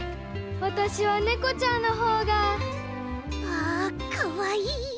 わたしはねこちゃんのほうが。ああかわいい。